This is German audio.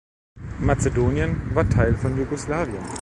Mazedonien war Teil von Jugoslawien.